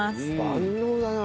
万能だな。